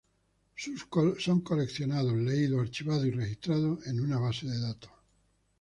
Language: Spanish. Son coleccionados, leídos, archivados y registrados en una base de datos.